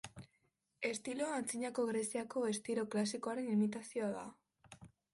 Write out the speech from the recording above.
Estiloa Antzinako Greziako estilo klasikoaren imitazioa da.